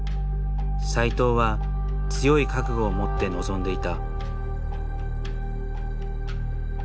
斎藤は強い覚悟をもって臨んでいた。